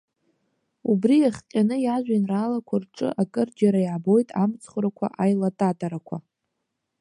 Убри иахҟьаны, иажәеинраалақәа рҿы акырџьара иаабоит амцхәрақәа, аилататарақәа.